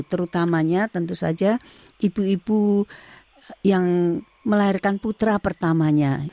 terutamanya tentu saja ibu ibu yang melahirkan putra pertamanya